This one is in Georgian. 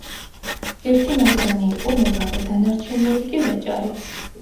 ერთი მათგანი იყო მებაღე, დანარჩენი ორი კი ვაჭარი.